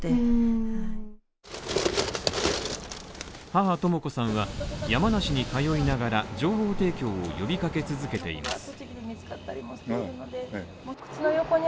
母・とも子さんは、山梨に通いながら情報提供を呼びかけ続けています。